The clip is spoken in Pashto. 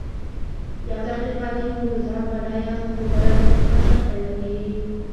يو دقيقه کې مو په ځان ډاډه ياست خو بله دقيقه شک پیدا کېږي.